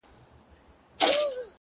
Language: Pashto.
• ما مي په اورغوي کي د فال نښي وژلي دي,